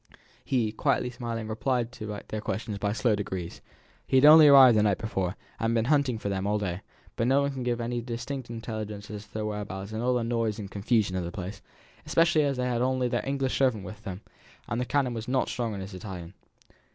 He, quietly smiling, replied to their questions by slow degrees. He had only arrived the night before, and had been hunting for them all day; but no one could give him any distinct intelligence as to their whereabouts in all the noise and confusion of the place, especially as they had their only English servant with them, and the canon was not strong in his Italian.